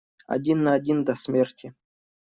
Один на один, до смерти!